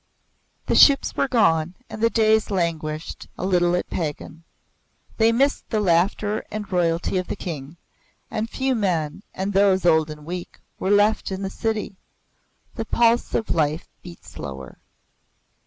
The ships were gone and the days languished a little at Pagan. They missed the laughter and royalty of the King, and few men, and those old and weak, were left in the city. The pulse of life beat slower.